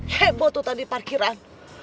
hebat tuh tadi parkiran